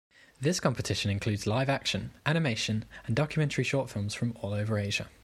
This competition includes live action, animation and documentary short films from all over Asia.